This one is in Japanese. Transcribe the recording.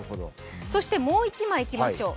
そして、もう一枚いきましょう。